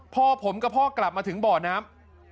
พ่อผมกับพ่อกลับมาถึงบ่อน้ำ